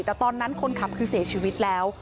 แต่ตอนนั้นคนขับคือเสียชีวิตแล้ว